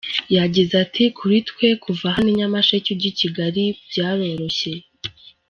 Yagize ati“Kuri twe kuva hano i Nyamasheke ujya i Kigali byaroroshye.